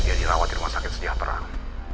dia dirawat di rumah sakit setiap terang